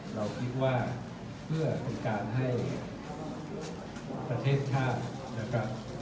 เราคิดว่าเพื่อเป็นการให้ประเทศชาตินะครับ